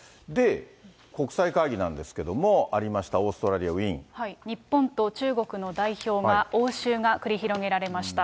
国際会議なんですけれども、ありました、日本と中国の代表が、応酬が繰り広げられました。